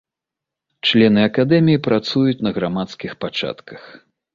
Члены акадэміі працуюць на грамадскіх пачатках.